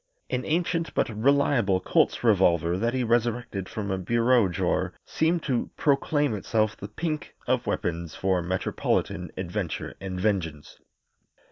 An ancient but reliable Colt's revolver that he resurrected from a bureau drawer seemed to proclaim itself the pink of weapons for metropolitan adventure and vengeance.